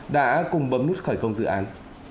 đã cùng bấm nút khởi công dự án